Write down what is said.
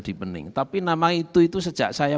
depending tapi nama itu sejak saya